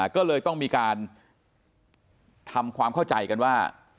ก็เลยต้องมีการทำความเข้าใจกันว่า